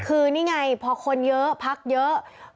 คือนี่ไงพอคนเยอะพักเยอะ